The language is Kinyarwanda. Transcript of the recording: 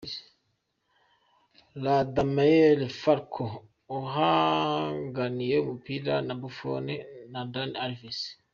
Radamel Falcao ahanganiye umupira na Buffon na Dani Alves.